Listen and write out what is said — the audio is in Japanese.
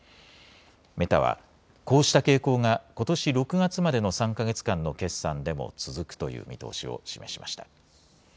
メタはこうした傾向がことし６月までの３か月間の決算でも続くという見通しを示しました。